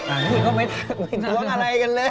อันนี้ก็ไม่ท้วงอะไรกันเลย